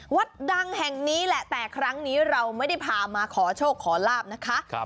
วัดดังแห่งนี้แหละแต่ครั้งนี้เราไม่ได้พามาขอโชคขอลาบนะคะ